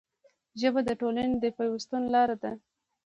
ژبه د ټولنې د پیوستون لاره ده